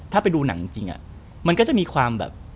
ถ้าไปดูหนังจริงมันก็จะมีความแบบ